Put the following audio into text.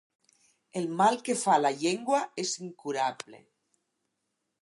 El mal que fa la llengua és incurable.